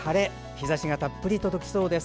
日ざしがたっぷり届きそうです。